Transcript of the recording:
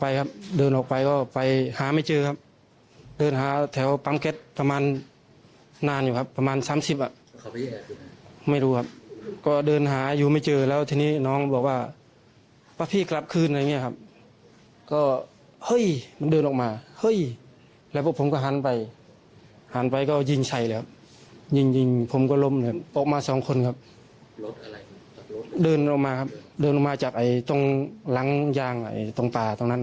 ยิงผมก็ล้มโป๊ะมาสองคนครับดื่นออกมาครับดื่นออกมาจากตรงหลังยางตรงป่าตรงนั้นนะครับ